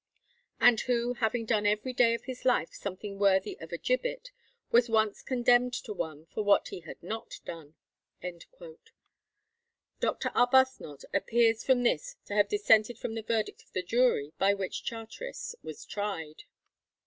. and who, having done every day of his life something worthy of a gibbet, was once condemned to one for what he had not done." Doctor Arbuthnot appears from this to have dissented from the verdict of the jury by which Charteris was tried.